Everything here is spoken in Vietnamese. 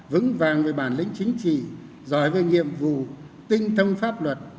vững vàng về bản lĩnh chính trị giỏi về nhiệm vụ tinh thông pháp luật